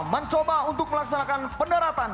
mencoba untuk melaksanakan pendaratan